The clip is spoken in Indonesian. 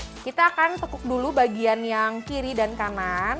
oke kita akan tekuk dulu bagian yang kiri dan kanan